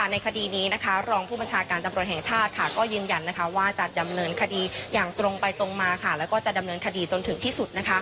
ในคดีนี้รองผู้บัญชาการตำรวจแห่งชาติก็ยืนยันว่าจะดำเนินคดีอย่างตรงไปตรงมาแล้วก็จะดำเนินคดีจนถึงที่สุด